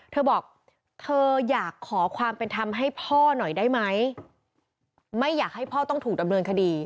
เธอบอกเธออยากขอความเป็นธรรมให้พ่อหน่อยได้ไหมไม่อยากให้พ่อต้องถูกดำเนินคดี